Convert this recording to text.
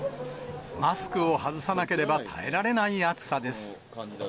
マスクを外さなければ耐えられない暑さです。